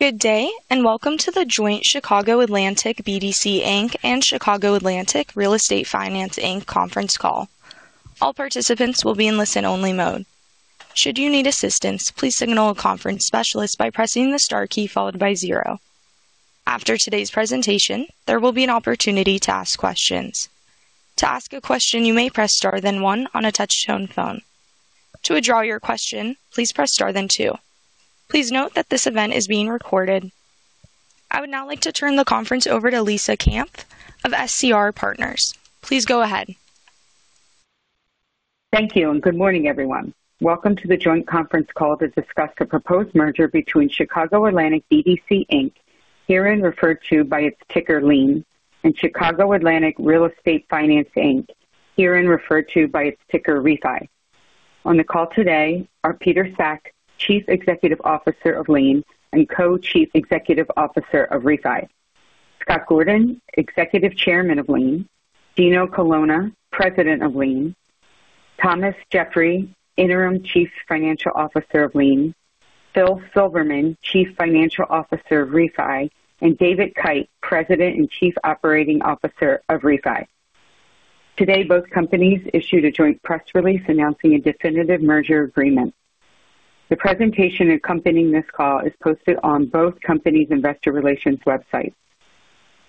Good day, and welcome to the joint Chicago Atlantic BDC Inc. and Chicago Atlantic Real Estate Finance Inc. conference call. All participants will be in listen-only mode. Should you need assistance, please signal a conference specialist by pressing the star key followed by zero. After today's presentation, there will be an opportunity to ask questions. To ask a question, you may press star then one on a touch-tone phone. To withdraw your question, please press star then two. Please note that this event is being recorded. I would now like to turn the conference over to Lisa Kampf of SCR Partners. Please go ahead. Thank you, good morning, everyone. Welcome to the joint conference call to discuss the proposed merger between Chicago Atlantic BDC Inc., herein referred to by its ticker LIEN, and Chicago Atlantic Real Estate Finance Inc., herein referred to by its ticker REFI. On the call today are Peter Sack, Chief Executive Officer of LIEN and Co-Chief Executive Officer of REFI, Scott Gordon, Executive Chairman of LIEN, Dino Colonna, President of LIEN, Thomas Jeffrey, Interim Chief Financial Officer of LIEN, Phil Silverman, Chief Financial Officer of REFI, and David Kite, President and Chief Operating Officer of REFI. Today, both companies issued a joint press release announcing a definitive merger agreement. The presentation accompanying this call is posted on both companies' investor relations websites.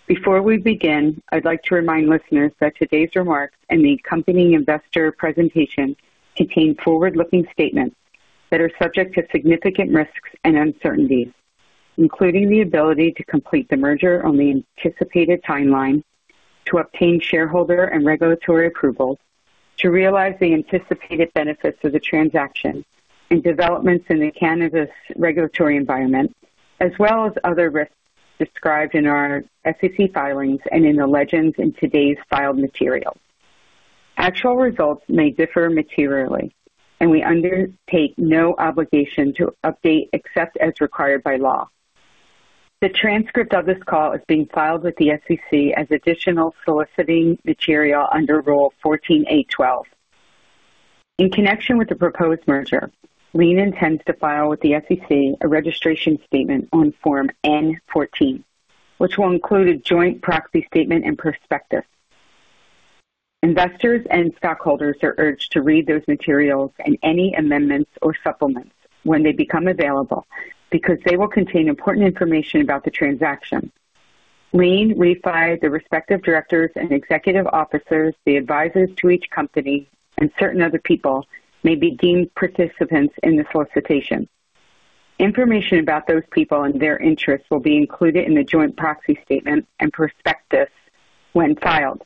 Before we begin, I'd like to remind listeners that today's remarks and the accompanying investor presentation contain forward-looking statements that are subject to significant risks and uncertainties, including the ability to complete the merger on the anticipated timeline, to obtain shareholder and regulatory approvals, to realize the anticipated benefits of the transaction, and developments in the cannabis regulatory environment, as well as other risks described in our SEC filings and in the legends in today's filed material. Actual results may differ materially. We undertake no obligation to update except as required by law. The transcript of this call is being filed with the SEC as additional soliciting material under Rule 14a-12. In connection with the proposed merger, LIEN intends to file with the SEC a registration statement on Form N-14, which will include a joint proxy statement and prospectus. Investors and stockholders are urged to read those materials and any amendments or supplements when they become available because they will contain important information about the transaction. LIEN, REFI, the respective directors and executive officers, the advisors to each company, and certain other people may be deemed participants in the solicitation. Information about those people and their interests will be included in the joint proxy statement and prospectus when filed.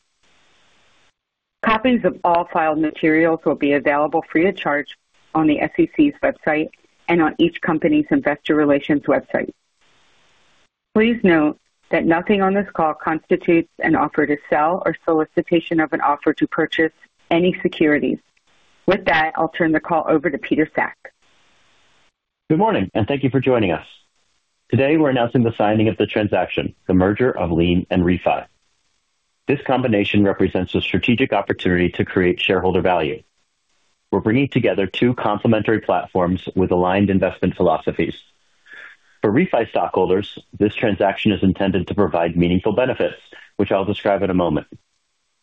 Copies of all filed materials will be available free of charge on the SEC's website and on each company's investor relations website. Please note that nothing on this call constitutes an offer to sell or solicitation of an offer to purchase any securities. With that, I'll turn the call over to Peter Sack. Good morning, and thank you for joining us. Today, we're announcing the signing of the transaction, the merger of LIEN and REFI. This combination represents a strategic opportunity to create shareholder value. We're bringing together two complementary platforms with aligned investment philosophies. For REFI stockholders, this transaction is intended to provide meaningful benefits, which I'll describe in a moment.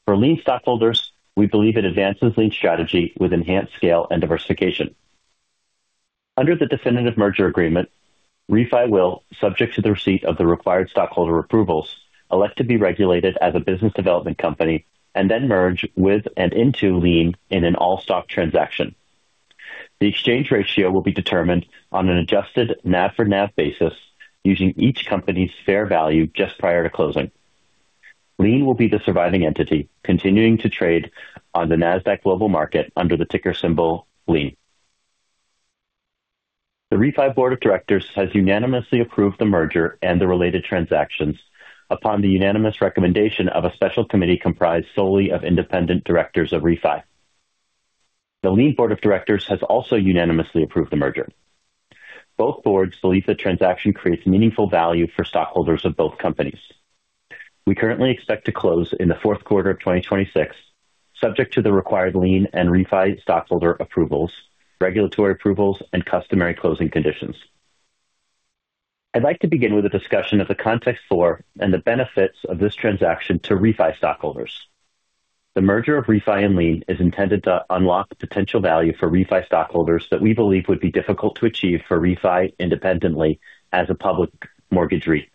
For LIEN stockholders, we believe it advances LIEN's strategy with enhanced scale and diversification. Under the definitive merger agreement, REFI will, subject to the receipt of the required stockholder approvals, elect to be regulated as a business development company and then merge with and into LIEN in an all-stock transaction. The exchange ratio will be determined on an adjusted NAV for NAV basis using each company's fair value just prior to closing. LIEN will be the surviving entity, continuing to trade on the Nasdaq Global Market under the ticker symbol LIEN. The REFI board of directors has unanimously approved the merger and the related transactions upon the unanimous recommendation of a special committee comprised solely of independent directors of REFI. The LIEN board of directors has also unanimously approved the merger. Both boards believe the transaction creates meaningful value for stockholders of both companies. We currently expect to close in the Q4 of 2026, subject to the required LIEN and REFI stockholder approvals, regulatory approvals, and customary closing conditions. I'd like to begin with a discussion of the context for and the benefits of this transaction to REFI stockholders. The merger of REFI and LIEN is intended to unlock potential value for REFI stockholders that we believe would be difficult to achieve for REFI independently as a public mortgage REIT.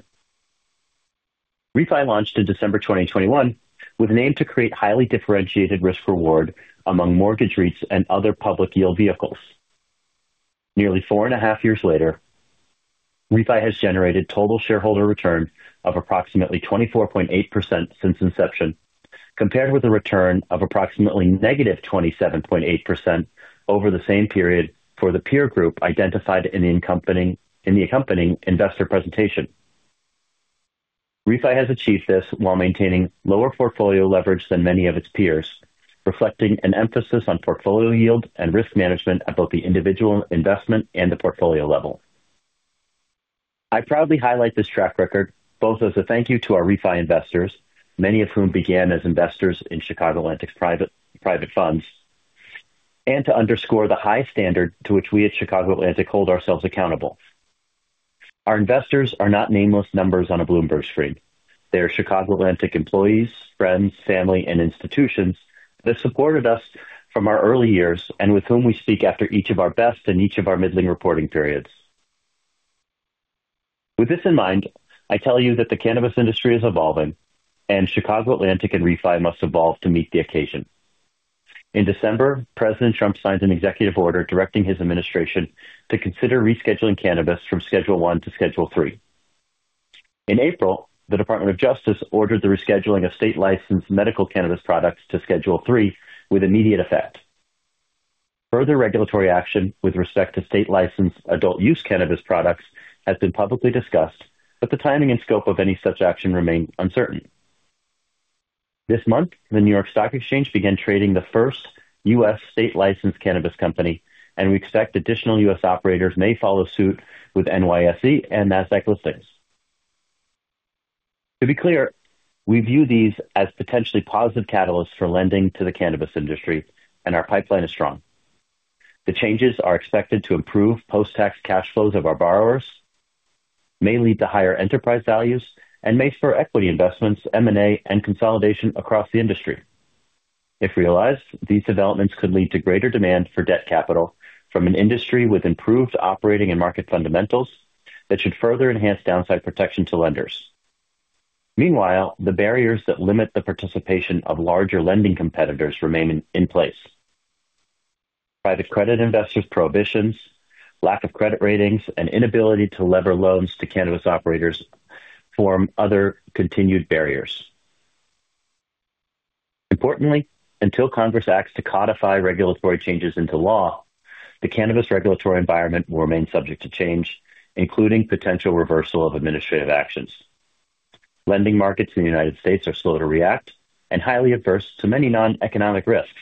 REFI launched in December 2021 with an aim to create highly differentiated risk-reward among mortgage REITs and other public yield vehicles. Nearly four and a half years later, REFI has generated total shareholder return of approximately 24.8% since inception, compared with a return of approximately negative 27.8% over the same period for the peer group identified in the accompanying investor presentation. REFI has achieved this while maintaining lower portfolio leverage than many of its peers, reflecting an emphasis on portfolio yield and risk management at both the individual investment and the portfolio level. I proudly highlight this track record both as a thank you to our REFI investors, many of whom began as investors in Chicago Atlantic's private funds. To underscore the high standard to which we at Chicago Atlantic hold ourselves accountable. Our investors are not nameless numbers on a Bloomberg screen. They are Chicago Atlantic employees, friends, family, and institutions that supported us from our early years and with whom we speak after each of our best and each of our middling reporting periods. With this in mind, I tell you that the cannabis industry is evolving. Chicago Atlantic and REFI must evolve to meet the occasion. In December, President Trump signed an executive order directing his administration to consider rescheduling cannabis from Schedule I to Schedule III. In April, the Department of Justice ordered the rescheduling of state licensed medical cannabis products to Schedule III with immediate effect. Further regulatory action with respect to state licensed adult use cannabis products has been publicly discussed, but the timing and scope of any such action remains uncertain. This month, the New York Stock Exchange began trading the first U.S. state licensed cannabis company, and we expect additional U.S. operators may follow suit with NYSE and Nasdaq listings. To be clear, we view these as potentially positive catalysts for lending to the cannabis industry, and our pipeline is strong. The changes are expected to improve post-tax cash flows of our borrowers, may lead to higher enterprise values, and may spur equity investments, M&A, and consolidation across the industry. If realized, these developments could lead to greater demand for debt capital from an industry with improved operating and market fundamentals that should further enhance downside protection to lenders. Meanwhile, the barriers that limit the participation of larger lending competitors remain in place. Private credit investors prohibitions, lack of credit ratings, and inability to lever loans to cannabis operators form other continued barriers. Importantly, until Congress acts to codify regulatory changes into law, the cannabis regulatory environment will remain subject to change, including potential reversal of administrative actions. Lending markets in the United States are slow to react and highly adverse to many non-economic risks.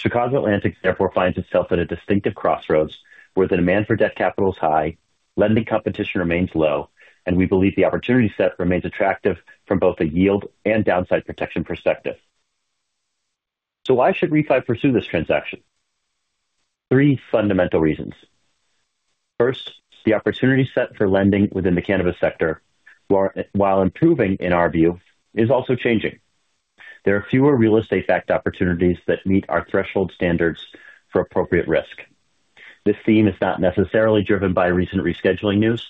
Chicago Atlantic therefore finds itself at a distinctive crossroads where the demand for debt capital is high, lending competition remains low, and we believe the opportunity set remains attractive from both a yield and downside protection perspective. So why should REFI pursue this transaction? Three fundamental reasons. First, the opportunity set for lending within the cannabis sector, while improving in our view, is also changing. There are fewer real estate backed opportunities that meet our threshold standards for appropriate risk. This theme is not necessarily driven by recent rescheduling news,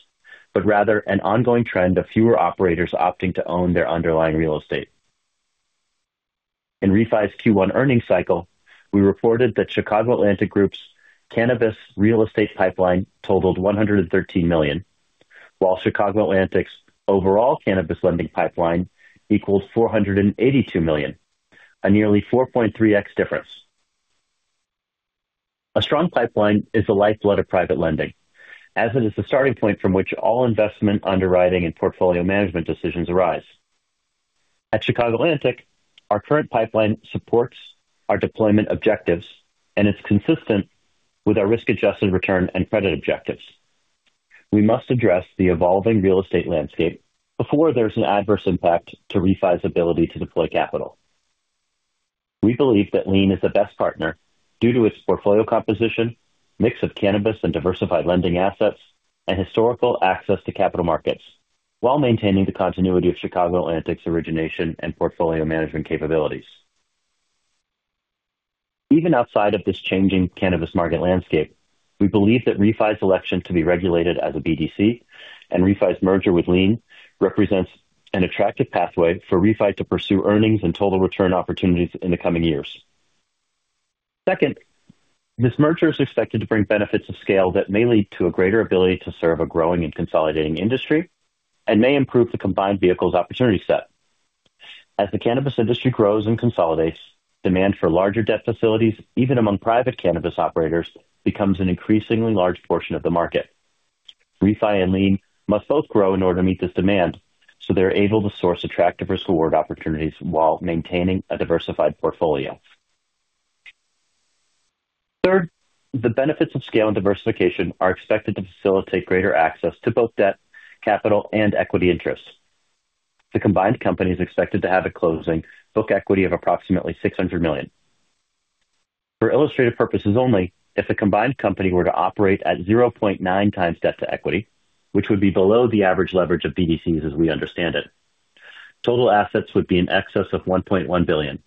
but rather an ongoing trend of fewer operators opting to own their underlying real estate. In REFI's Q1 earnings cycle, we reported that Chicago Atlantic Group's cannabis real estate pipeline totaled $113 million, while Chicago Atlantic's overall cannabis lending pipeline equals $482 million, a nearly 4.3x difference. A strong pipeline is the lifeblood of private lending, as it is the starting point from which all investment underwriting and portfolio management decisions arise. At Chicago Atlantic, our current pipeline supports our deployment objectives and is consistent with our risk-adjusted return and credit objectives. We must address the evolving real estate landscape before there's an adverse impact to REFI's ability to deploy capital. We believe that LIEN is the best partner due to its portfolio composition, mix of cannabis and diversified lending assets, and historical access to capital markets while maintaining the continuity of Chicago Atlantic's origination and portfolio management capabilities. Even outside of this changing cannabis market landscape, we believe that REFI's election to be regulated as a BDC and REFI's merger with LIEN represents an attractive pathway for REFI to pursue earnings and total return opportunities in the coming years. Second, this merger is expected to bring benefits of scale that may lead to a greater ability to serve a growing and consolidating industry and may improve the combined vehicle's opportunity set. As the cannabis industry grows and consolidates, demand for larger debt facilities, even among private cannabis operators, becomes an increasingly large portion of the market. REFI and LIEN must both grow in order to meet this demand so they're able to source attractive risk/reward opportunities while maintaining a diversified portfolio. Third, the benefits of scale and diversification are expected to facilitate greater access to both debt, capital, and equity interests. The combined company is expected to have a closing book equity of approximately $600 million. For illustrative purposes only, if the combined company were to operate at 0.9x debt to equity, which would be below the average leverage of BDCs as we understand it, total assets would be in excess of $1.1 billion.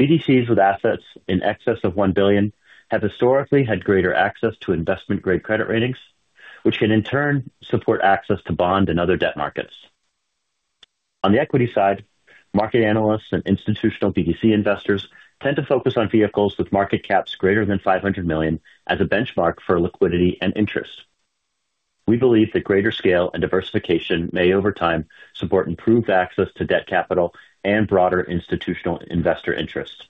BDCs with assets in excess of $1 billion have historically had greater access to investment-grade credit ratings, which can in turn support access to bond and other debt markets. On the equity side, market analysts and institutional BDC investors tend to focus on vehicles with market caps greater than $500 million as a benchmark for liquidity and interest. We believe that greater scale and diversification may, over time, support improved access to debt capital and broader institutional investor interest.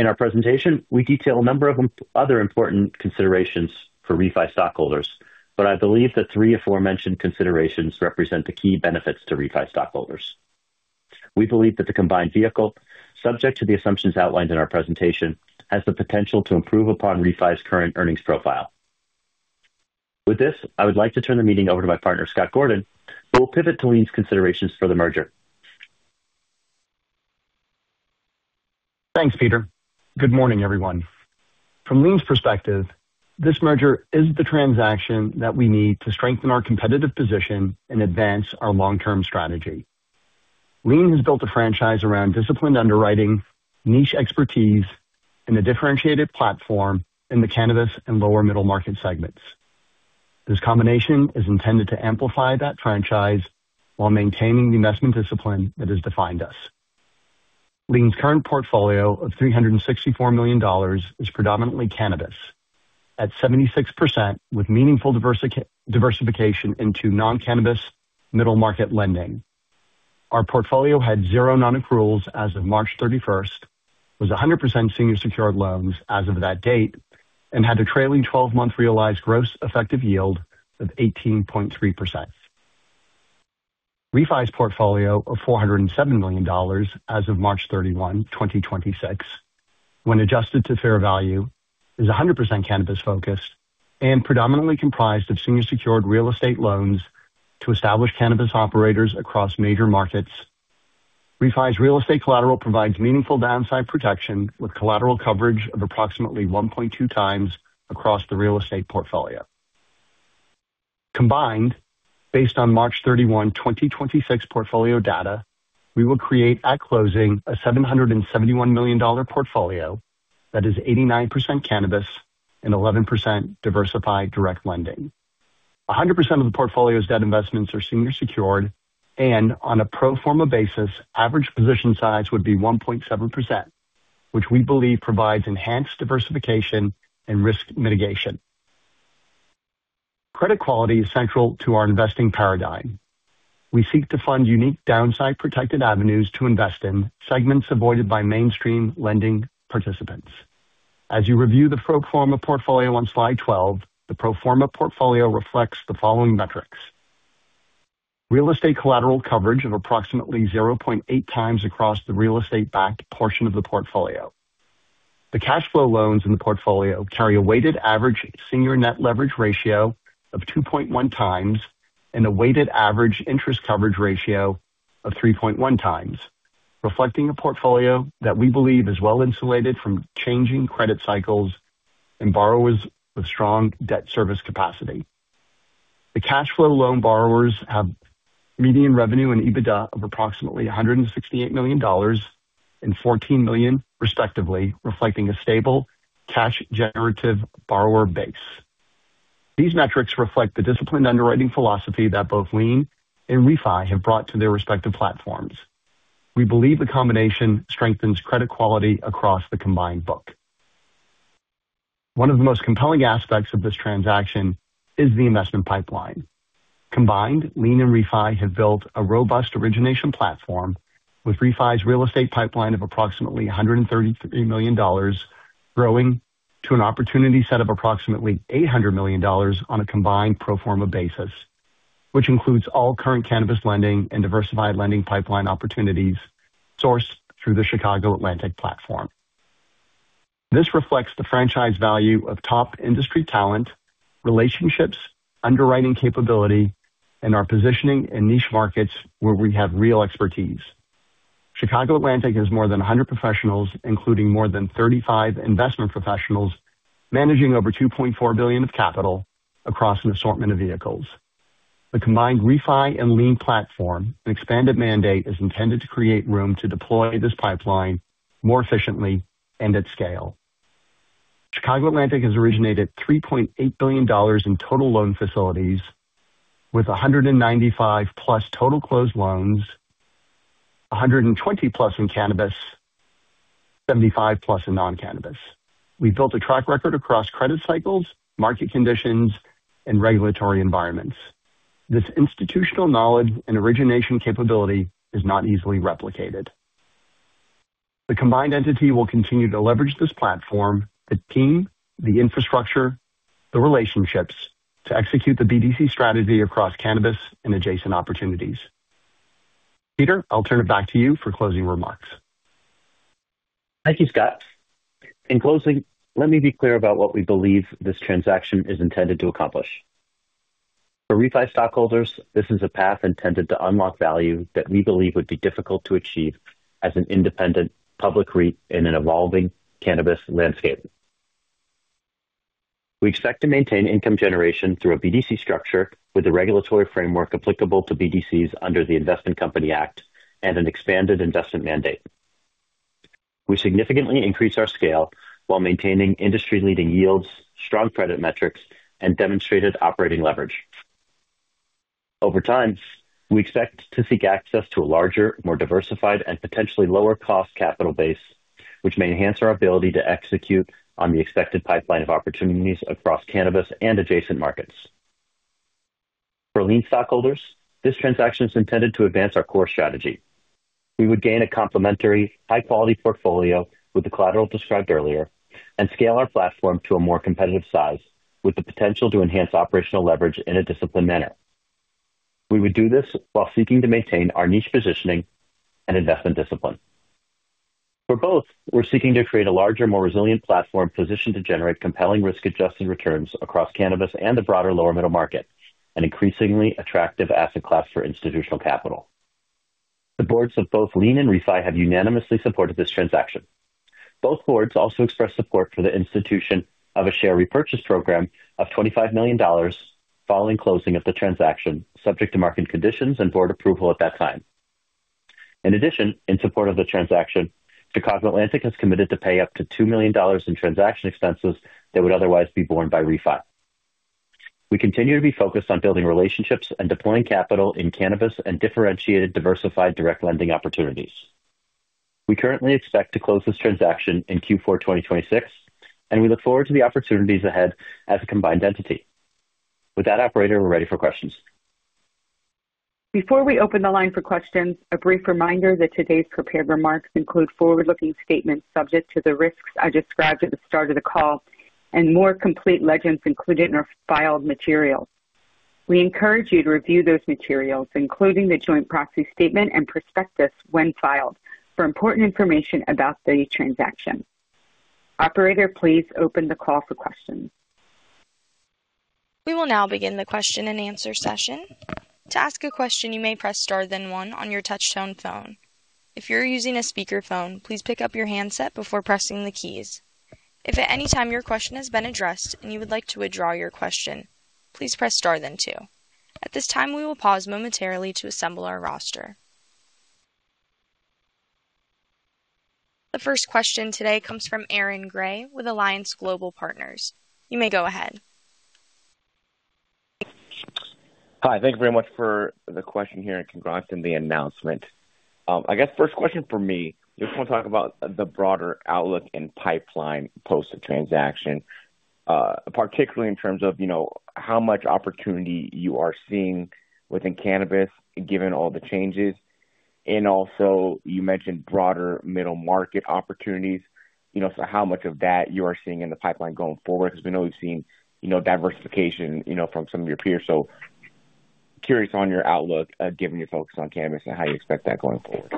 In our presentation, we detail a number of other important considerations for REFI stockholders, but I believe the three aforementioned considerations represent the key benefits to REFI stockholders. We believe that the combined vehicle, subject to the assumptions outlined in our presentation, has the potential to improve upon REFI's current earnings profile. With this, I would like to turn the meeting over to my partner, Scott Gordon, who will pivot to LIEN's considerations for the merger. Thanks, Peter. Good morning, everyone. From LIEN's perspective, this merger is the transaction that we need to strengthen our competitive position and advance our long-term strategy. LIEN has built a franchise around disciplined underwriting, niche expertise, and a differentiated platform in the cannabis and lower middle market segments. This combination is intended to amplify that franchise while maintaining the investment discipline that has defined us. LIEN's current portfolio of $364 million is predominantly cannabis at 76%, with meaningful diversification into non-cannabis middle market lending. Our portfolio had zero non-accruals as of March 31st, was 100% senior secured loans as of that date, and had a trailing 12-month realized gross effective yield of 18.3%. REFI's portfolio of $407 million as of March 31, 2026, when adjusted to fair value, is 100% cannabis focused and predominantly comprised of senior secured real estate loans to establish cannabis operators across major markets. REFI's real estate collateral provides meaningful downside protection with collateral coverage of approximately 1.2x across the real estate portfolio. Combined, based on March 31, 2026 portfolio data, we will create at closing a $771 million portfolio that is 89% cannabis and 11% diversified direct lending. 100% of the portfolio's debt investments are senior secured and on a pro forma basis, average position size would be 1.7%, which we believe provides enhanced diversification and risk mitigation. Credit quality is central to our investing paradigm. We seek to fund unique downside protected avenues to invest in segments avoided by mainstream lending participants. As you review the pro forma portfolio on slide 12, the pro forma portfolio reflects the following metrics. Real estate collateral coverage of approximately 0.8x across the real estate backed portion of the portfolio. The cash flow loans in the portfolio carry a weighted average senior net leverage ratio of 2.1 x and a weighted average interest coverage ratio of 3.1x, reflecting a portfolio that we believe is well-insulated from changing credit cycles and borrowers with strong debt service capacity. The cash flow loan borrowers have median revenue and EBITDA of approximately $168 million and $14 million respectively, reflecting a stable cash generative borrower base. These metrics reflect the disciplined underwriting philosophy that both LIEN and REFI have brought to their respective platforms. We believe the combination strengthens credit quality across the combined book. One of the most compelling aspects of this transaction is the investment pipeline. Combined, LIEN and REFI have built a robust origination platform with REFI's real estate pipeline of approximately $133 million, growing to an opportunity set of approximately $800 million on a combined pro forma basis. This includes all current cannabis lending and diversified lending pipeline opportunities sourced through the Chicago Atlantic platform. This reflects the franchise value of top industry talent, relationships, underwriting capability, and our positioning in niche markets where we have real expertise. Chicago Atlantic has more than 100 professionals, including more than 35 investment professionals, managing over $2.4 billion of capital across an assortment of vehicles. The combined REFI and LIEN platform and expanded mandate is intended to create room to deploy this pipeline more efficiently and at scale. Chicago Atlantic has originated $3.8 billion in total loan facilities with 195+ total closed loans, 120+ in cannabis, 75+ in non-cannabis. We built a track record across credit cycles, market conditions, and regulatory environments. This institutional knowledge and origination capability is not easily replicated. The combined entity will continue to leverage this platform, the team, the infrastructure, the relationships, to execute the BDC strategy across cannabis and adjacent opportunities. Peter, I'll turn it back to you for closing remarks. Thank you, Scott. In closing, let me be clear about what we believe this transaction is intended to accomplish. For REFI stockholders, this is a path intended to unlock value that we believe would be difficult to achieve as an independent public REIT in an evolving cannabis landscape. We expect to maintain income generation through a BDC structure with a regulatory framework applicable to BDCs under the Investment Company Act and an expanded investment mandate. We significantly increase our scale while maintaining industry leading yields, strong credit metrics, and demonstrated operating leverage. Over time, we expect to seek access to a larger, more diversified, and potentially lower cost capital base, which may enhance our ability to execute on the expected pipeline of opportunities across cannabis and adjacent markets. For LIEN stockholders, this transaction is intended to advance our core strategy. We would gain a complementary high quality portfolio with the collateral described earlier and scale our platform to a more competitive size with the potential to enhance operational leverage in a disciplined manner. We would do this while seeking to maintain our niche positioning and investment discipline. For both, we're seeking to create a larger, more resilient platform positioned to generate compelling risk-adjusted returns across cannabis and the broader lower middle market, an increasingly attractive asset class for institutional capital. The boards of both LIEN and REFI have unanimously supported this transaction. Both boards also expressed support for the institution of a share repurchase program of $25 million following closing of the transaction, subject to market conditions and board approval at that time. In addition, in support of the transaction, Chicago Atlantic has committed to pay up to $2 million in transaction expenses that would otherwise be borne by REFI. We continue to be focused on building relationships and deploying capital in cannabis and differentiated diversified direct lending opportunities. We currently expect to close this transaction in Q4 2026, and we look forward to the opportunities ahead as a combined entity. With that, operator, we're ready for questions. Before we open the line for questions, a brief reminder that today's prepared remarks include forward-looking statements subject to the risks I described at the start of the call and more complete legends included in our filed materials. We encourage you to review those materials, including the joint proxy statement and prospectus, when filed, for important information about the transaction. Operator, please open the call for questions. We will now begin the question and answer session. To ask a question, you may press star then one on your touchtone phone. If you're using a speakerphone, please pick up your handset before pressing the keys. If at any time your question has been addressed and you would like to withdraw your question, please press star than two. At this time, we will pause momentarily to assemble our roster. The first question today comes from Aaron Gray with Alliance Global Partners. You may go ahead. Hi. Thank you very much for the question here, and congrats on the announcement. I guess first question from me, just want to talk about the broader outlook and pipeline post the transaction, particularly in terms of how much opportunity you are seeing within cannabis given all the changes. You mentioned broader middle market opportunities. How much of that you are seeing in the pipeline going forward? We know we've seen diversification from some of your peers. Curious on your outlook given your focus on cannabis and how you expect that going forward.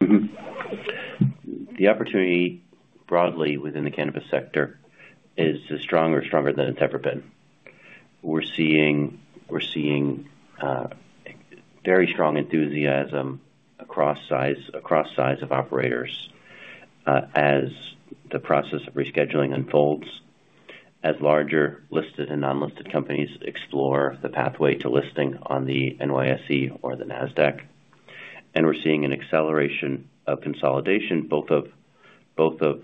The opportunity broadly within the cannabis sector is as strong or stronger than it's ever been. We're seeing very strong enthusiasm across size of operators as the process of rescheduling unfolds, as larger listed and non-listed companies explore the pathway to listing on the NYSE or the Nasdaq. We're seeing an acceleration of consolidation, both of the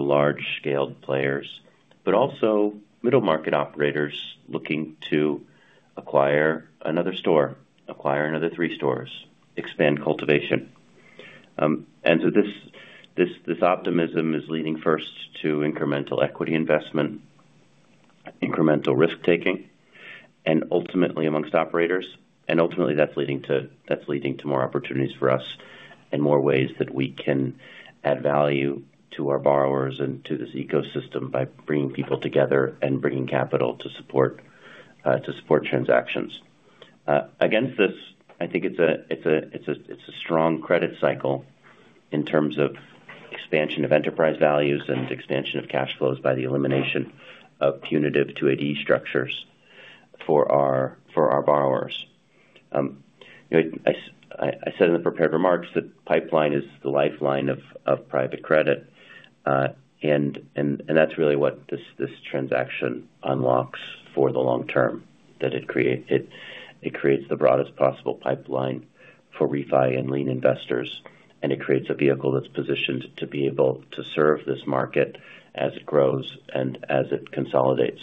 large-scaled players, but also middle-market operators looking to acquire another store, acquire another three stores, expand cultivation. This optimism is leading first to incremental equity investment, incremental risk-taking, and ultimately amongst operators. Ultimately, that's leading to more opportunities for us and more ways that we can add value to our borrowers and to this ecosystem by bringing people together and bringing capital to support transactions. Against this, I think it's a strong credit cycle in terms of expansion of enterprise values and expansion of cash flows by the elimination of punitive 280E structures for our borrowers. I said in the prepared remarks that pipeline is the lifeline of private credit. That's really what this transaction unlocks for the long term, that it creates the broadest possible pipeline for REFI and LIEN investors, and it creates a vehicle that's positioned to be able to serve this market as it grows and as it consolidates.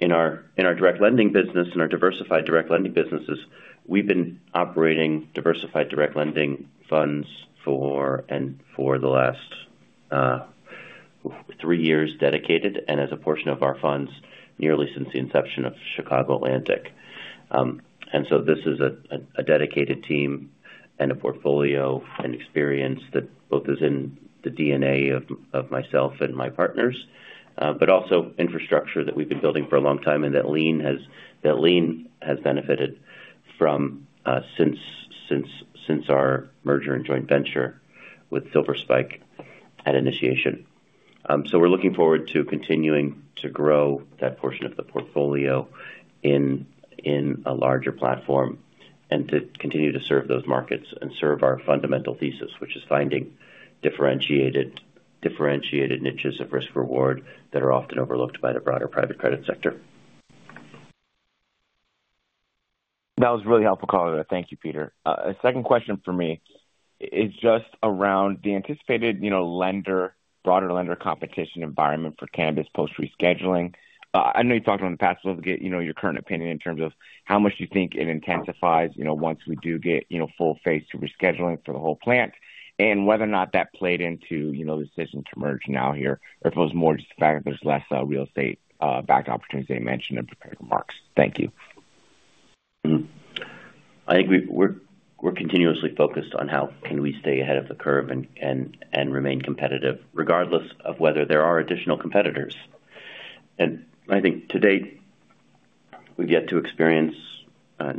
In our direct lending business, in our diversified direct lending businesses, we've been operating diversified direct lending funds for the last three years dedicated, and as a portion of our funds, nearly since the inception of Chicago Atlantic. This is a dedicated team and a portfolio and experience that both is in the DNA of myself and my partners. Infrastructure that we've been building for a long time, and that LIEN has benefited from since our merger and joint venture with Silver Spike at initiation. We're looking forward to continuing to grow that portion of the portfolio in a larger platform and to continue to serve those markets and serve our fundamental thesis, which is finding differentiated niches of risk reward that are often overlooked by the broader private credit sector. That was really helpful, Connor. Thank you, Peter. A second question for me is just around the anticipated broader lender competition environment for cannabis post rescheduling. I know you talked about in the past, so I'll get your current opinion in terms of how much do you think it intensifies once we do get full Phase II rescheduling for the whole plant and whether or not that played into the decision to merge now here. If it was more just the fact that there's less real estate-backed opportunities that you mentioned in prepared remarks. Thank you. I think we're continuously focused on how can we stay ahead of the curve and remain competitive regardless of whether there are additional competitors. We've yet to experience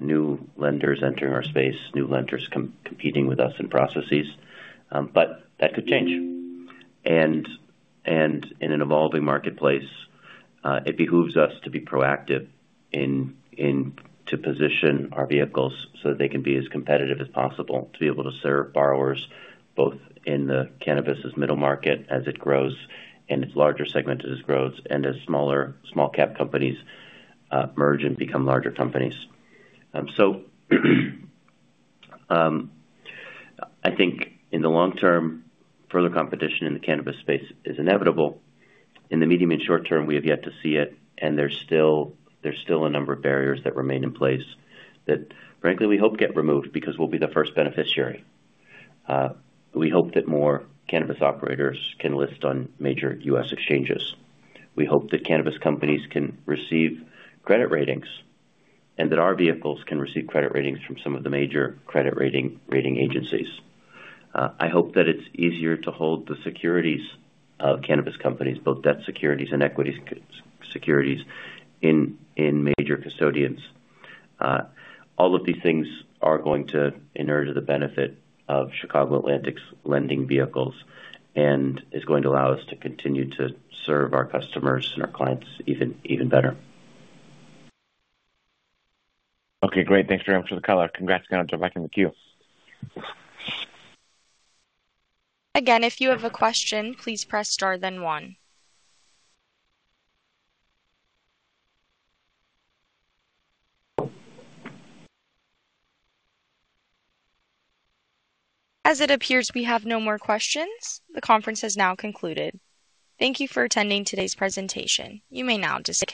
new lenders entering our space, new lenders competing with us in processes. That could change. In an evolving marketplace, it behooves us to be proactive and to position our vehicles so that they can be as competitive as possible to be able to serve borrowers, both in the cannabis' middle market as it grows and its larger segment as it grows, and as small-cap companies merge and become larger companies. I think in the long term, further competition in the cannabis space is inevitable. In the medium and short term, we have yet to see it, and there's still a number of barriers that remain in place that frankly, we hope get removed because we'll be the first beneficiary. We hope that more cannabis operators can list on major U.S. exchanges. We hope that cannabis companies can receive credit ratings, that our vehicles can receive credit ratings from some of the major credit rating agencies. I hope that it's easier to hold the securities of cannabis companies, both debt securities and equity securities, in major custodians. All of these things are going to inure to the benefit of Chicago Atlantic's lending vehicles and is going to allow us to continue to serve our customers and our clients even better. Okay, great. Thanks very much for the color. Congrats again. I'll jump back in the queue. Again, if you have a question, please press star then one. As it appears we have no more questions, the conference has now concluded. Thank you for attending today's presentation. You may now disconnect.